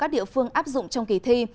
lúc áp dụng trong kỳ thi